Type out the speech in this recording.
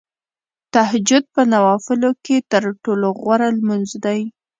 تهجد په نوافلو کې تر ټولو غوره لمونځ دی .